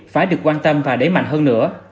phải được quan tâm và đẩy mạnh hơn nữa